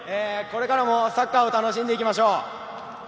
これからもサッカーを楽しんでいきましょう。